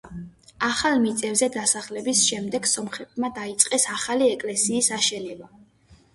ახალ მიწებზე დასახლების შემდეგ სომხებმა დაიწყეს ახალი ეკლესიის აშენება.